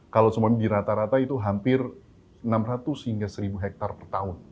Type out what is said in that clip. kalau tsunami di rata rata itu hampir enam ratus hingga seribu hektare per tahun